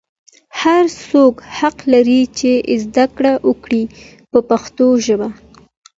هر څوک حق لري چې زده کړه وکړي په پښتو ژبه.